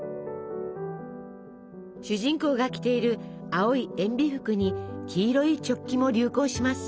主人公が着ている青いえんび服に黄色いチョッキも流行します。